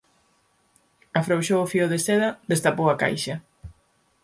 afrouxou o fío de seda, destapou a caixa!